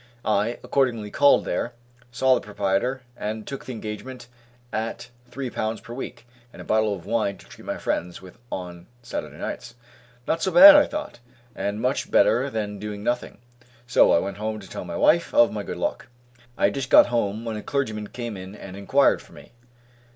I accordingly called there, saw the proprietor, and took the engagement at three pounds per week, and a bottle of wine to treat my friends with on Saturday nights. "Not so bad," thought I, "and much better than doing nothing," so I went home to tell my wife of my good luck. I had just got home when a clergyman came in and enquired for me.